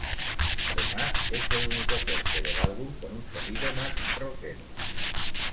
Además, es el único corte del álbum con un sonido más rockero.